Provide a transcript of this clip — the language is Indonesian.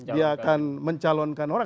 dia akan mencalonkan orang